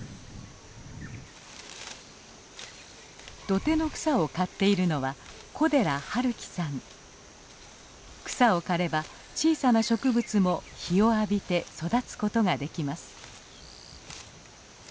土手の草を刈っているのは草を刈れば小さな植物も日を浴びて育つことができます。